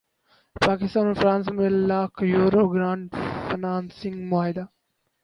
پاکستان اور فرانس میں lakh euro grant financing معاہدہ